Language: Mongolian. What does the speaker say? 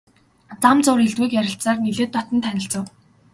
Зам зуур элдвийг ярилцсаар нэлээд дотно танилцав.